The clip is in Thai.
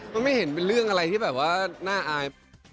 มันไม่เห็นเป็นเรื่องอะไรที่แบบว่าน่าอาย